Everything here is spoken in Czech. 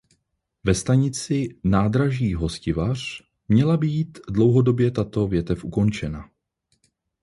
Ve stanici Nádraží Hostivař měla být dlouhodobě tato větev ukončena.